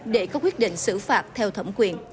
để có quyết định xử phạt theo thẩm quyền